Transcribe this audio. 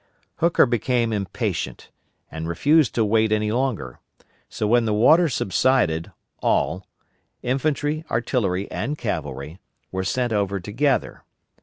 Hooker became impatient and refused to wait any longer; so when the water subsided, all infantry, artillery, and cavalry were sent over together.